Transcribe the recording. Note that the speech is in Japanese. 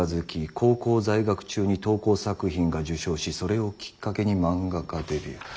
高校在学中に投稿作品が受賞しそれをきっかけに漫画家デビュー。